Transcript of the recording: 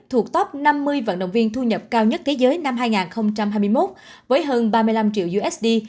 thuộc top năm mươi vận động viên thu nhập cao nhất thế giới năm hai nghìn hai mươi một với hơn ba mươi năm triệu usd